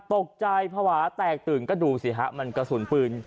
ภาวะแตกตื่นก็ดูสิฮะมันกระสุนปืน